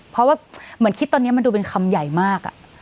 เพราะว่าเหมือนคิดตอนนี้มันดูเป็นคำใหญ่มาก